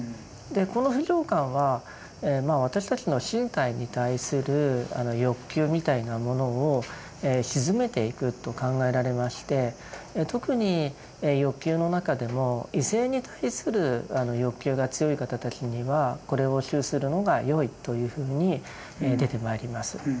この不浄観は私たちの身体に対する欲求みたいなものを静めていくと考えられまして特に欲求の中でも異性に対する欲求が強い方たちにはこれを修するのがよいというふうに出てまいります。